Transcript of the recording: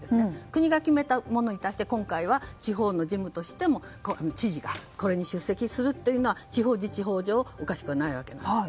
国が決めたものに対して今回は地方の事務として知事がこれに出席するというのは地方自治法上おかしくはないわけです。